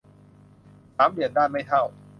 สามเหลี่ยมด้านไม่เท่า